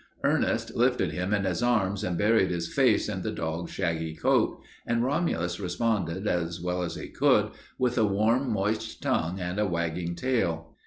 Ernest lifted him in his arms and buried his face in the dog's shaggy coat, and Romulus responded as well as he could with a warm, moist tongue and a wagging tail.